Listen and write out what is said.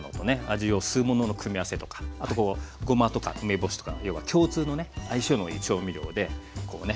味を吸うものの組み合わせとかあとごまとか梅干しとか要は共通のね相性のいい調味料でこうね